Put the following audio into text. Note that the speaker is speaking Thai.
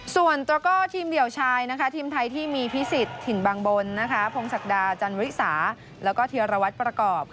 ส่วนทีมเดี๋ยวชายทีมไทยที่มีพิสิตถิ่นบางบนพงศักดาจันวิสาแล้วก็เทียรวัตรประกอบ